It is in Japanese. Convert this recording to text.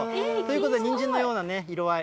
にんじんのようなね、色合い。